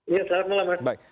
iya selamat malam